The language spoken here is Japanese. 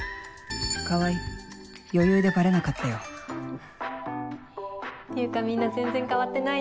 川合余裕でバレなかったよっていうかみんな全然変わってないね。